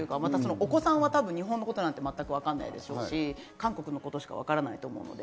お子さんは多分日本のことなんて全く分かんないでしょうし韓国のことしか分からないと思うので。